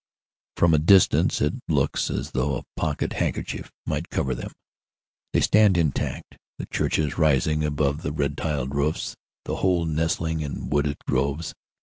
From a distance it looks as though a pocket handkerchief might cover them. They stand intact, the churches rising above the red tiled roofs, the whole nestling in wooded groves.